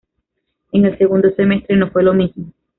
En el segundo semestre no fue lo mismo.